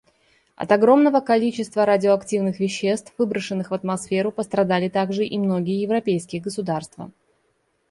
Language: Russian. От огромного количества радиоактивных веществ, выброшенных в атмосферу, пострадали также и многие европейские государства.